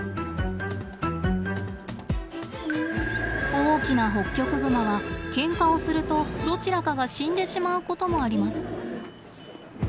大きなホッキョクグマはケンカをするとどちらかが死んでしまうこともあります。